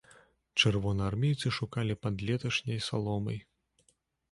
Чырвонаармейцы шукалі пад леташняй саломай.